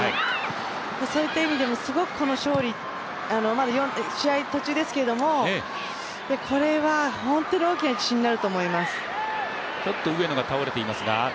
そういった意味でもこの勝利、試合の途中ですけれどもこれは本当に大きな自信になると思います。